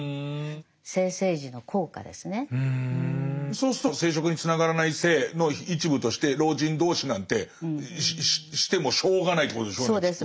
そうすると生殖につながらない性の一部として老人同士なんてしてもしょうがないってことでしょうねきっとね。